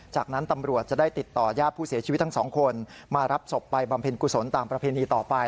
จากนั้นตำรวจจะได้ติดต่อญาติผู้เสียชีวิตทั้งสองคนมารับศพไปบำเพ็ญกุศลตามประเพณีต่อไป